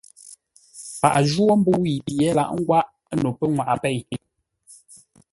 Paghʼə jwó mbə́ʉ yi pye laghʼ ngwáʼ no pənŋwaʼa pêi.